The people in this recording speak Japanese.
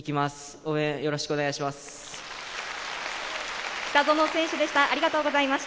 応援よろしくお願いします。